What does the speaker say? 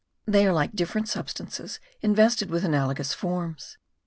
They are like different substances invested with analogous forms.